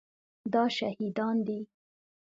دا شهیدان دي